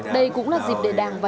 đây cũng là dịp để đảng vay